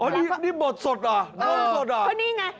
นี่บทสดอ่ะน่อนนี่ไง